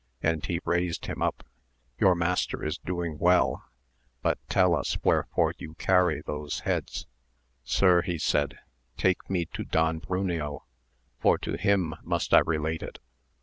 and he raised him up,— your master is doing well: but tell us wherefore you carry those heads 1 Sir, he said, take me to Don Bruneo, for to him must I relate it.